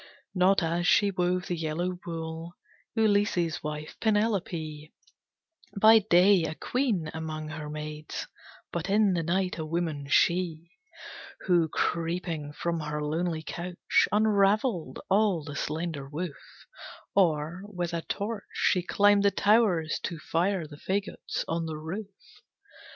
Not as she wove the yellow wool, Ulysses' wife, Penelope; By day a queen among her maids, But in the night a woman, she, Who, creeping from her lonely couch, Unraveled all the slender woof; Or, with a torch, she climbed the towers, To fire the fagots on the roof!